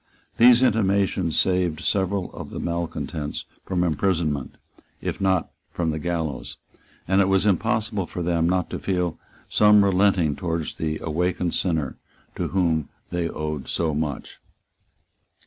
These intimations saved several of the malecontents from imprisonment, if not from the gallows; and it was impossible for them not to feel some relenting towards the awakened sinner to whom they owed so much.